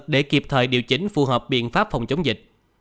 để kịp thời điều chỉnh phù hợp biện pháp phòng chống dịch